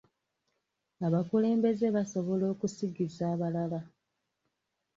Abakulembeze basobola okusigiza abalala